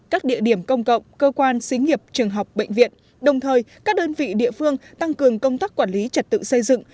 các địa điểm công cộng cơ quan xí nghiệp trường học bệnh viện đồng thời các đơn vị địa phương tăng cường công tác quản lý trật tự xây dựng